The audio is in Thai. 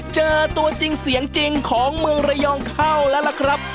เจอตัวจริงเสียงจริงของเมืองระยองเข้าแล้วล่ะครับ